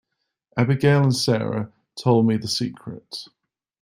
Abigail and Sara told me the secret.